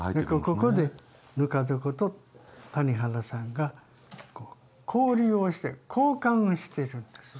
ここでぬか床と谷原さんが交流をして交歓をしてるんですね。